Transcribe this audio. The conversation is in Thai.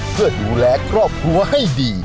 เพื่อดูแลครอบครัวให้ดี